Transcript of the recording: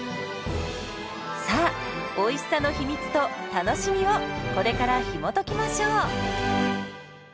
さあおいしさの秘密と楽しみをこれからひもときましょう。